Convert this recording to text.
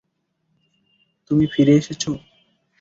তুমি ফিরে এসেছ।